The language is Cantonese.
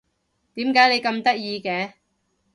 點解你咁得意嘅？